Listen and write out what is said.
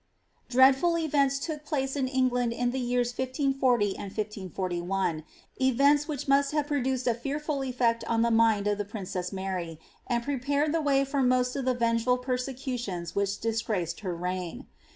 '* Dreadful events took place in England in the years 1540 and 1541 ; events which must have produced a fearful effect on the mind of the princess Mary, and prepared the way for most of the vengeful persecu tions which disgraced her reign.